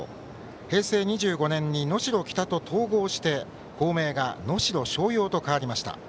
平成２５年に能代北と統合して校名が能代松陽と変わりました。